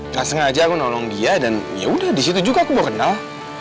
rasanya aja aku nolong dia dan ya udah disitu juga aku bawa kenal